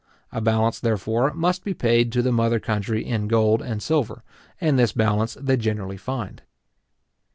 A balance, therefore, must be paid to the mother country in gold and silver and this balance they generally find.